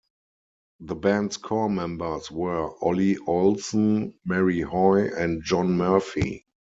The band's core members were Ollie Olsen, Marie Hoy and John Murphy.